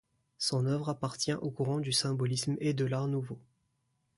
Son œuvre appartient au courant du symbolisme et de l'Art nouveau.